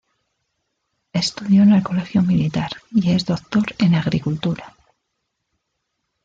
Estudió en el Colegio Militar y es doctor en Agricultura.